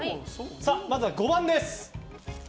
まずは５番です。